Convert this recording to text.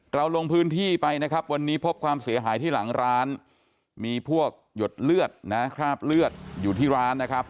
ลงพื้นที่ไปนะครับวันนี้พบความเสียหายที่หลังร้านมีพวกหยดเลือดนะคราบเลือดอยู่ที่ร้านนะครับ